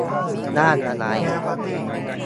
ร่างอะไร ?